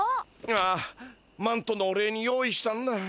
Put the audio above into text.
ああマントのお礼に用意したんだ。